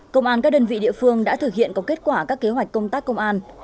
công an các đơn vị địa phương đã thực hiện có kết quả các kế hoạch công tác công an